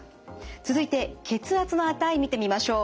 続いて血圧の値見てみましょう。